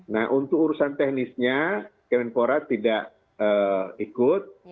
nah untuk urusan teknisnya kemenpora tidak ikut